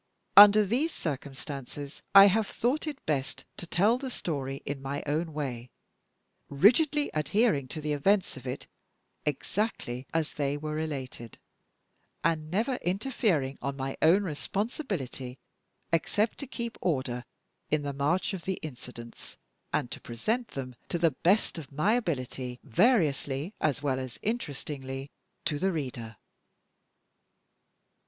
Under these circumstances, I have thought it best to tell the story in my own way rigidly adhering to the events of it exactly as they were related; and never interfering on my own responsibility except to keep order in the march of the incidents, and to present them, to the best of my ability, variously as well as interestingly to the reader.